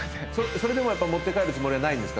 それでも持って帰るつもりはないんですか？